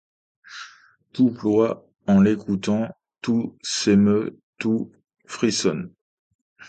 Tout ploie en l'écoutant, tout s'émeut, tout frissonne